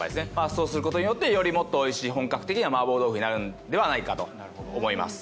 そうする事によってよりもっと美味しい本格的な麻婆豆腐になるのではないかと思います。